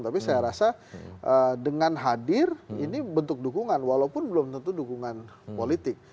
tapi saya rasa dengan hadir ini bentuk dukungan walaupun belum tentu dukungan politik